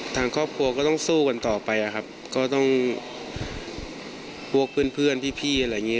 ทางครอบครัวก็ต้องสู้กันต่อไปอะครับก็ต้องพวกเพื่อนเพื่อนพี่อะไรอย่างงี